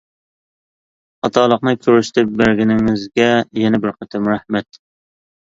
خاتالىقنى كۆرسىتىپ بەرگىنىڭىزگە يەنە بىر قېتىم رەھمەت.